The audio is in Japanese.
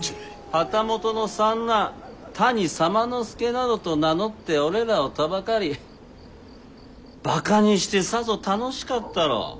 旗本の三男谷左馬之助などと名乗って俺らをたばかりバカにしてさぞ楽しかったろう？